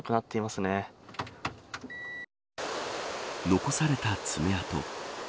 残された爪痕。